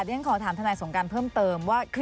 เดี๋ยวผมขอถามธนัยส่งการเพิ่มเติม